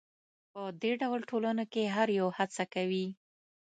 په دې ډول ټولنو کې هر یو هڅه کوي.